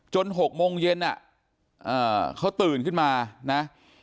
๖โมงเย็นเขาตื่นขึ้นมานะ